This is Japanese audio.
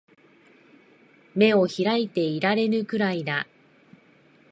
眼を開いていられぬくらいだ